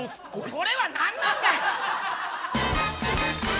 それは何なんだよ！